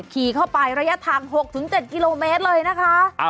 ขี่เข้าไประยะทาง๖๗กิโลเมตรเลยนะคะ